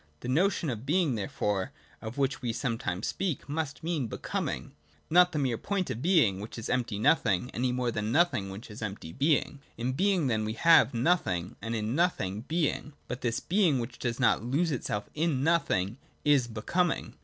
The notion of Being, therefore, of which we some times speak, must mean Becoming ; not the mere point of Being, which is empty Nothing, any more than Nothing, which is empty Being. In Being then we have Nothing, and in Nothing Being : but this Being which does not lose itself in Nothing is Becoming.